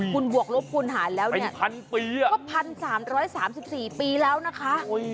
คุณบวกลบคูณหารแล้วนะก็๑๓๓๔ปีแล้วนะคะ